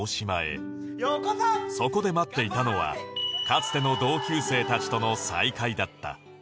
そこで待っていたのはかつての同級生たちとの再会だった